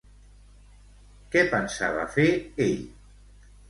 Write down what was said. Què pensava fer ell?